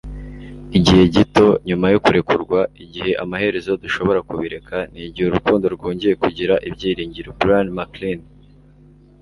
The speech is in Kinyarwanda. igihe gito nyuma yo kurekurwa, igihe amaherezo dushobora kubireka, ni igihe urukundo rwongeye kugira ibyiringiro - brian maclearn